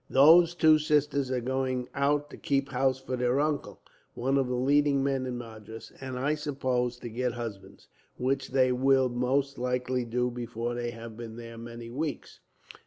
Those two sisters are going out to keep house for their uncle, one of the leading men in Madras; and, I suppose, to get husbands, which they will most likely do before they have been there many weeks.